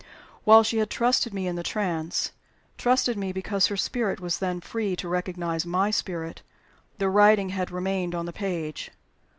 While she had trusted me in the trance trusted me because her spirit was then free to recognize my spirit the writing had remained on the page.